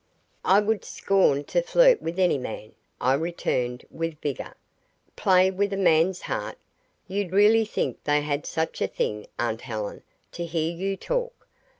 "I would scorn to flirt with any man," I returned with vigour. "Play with a man's heart! You'd really think they had such a thing, aunt Helen, to hear you talk.